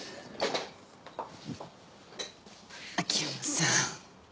秋山さん